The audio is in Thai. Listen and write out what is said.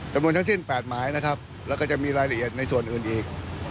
จำนวนทั้งสิ้น๘หมายนะครับแล้วก็จะมีรายละเอียดในส่วนอื่นอีก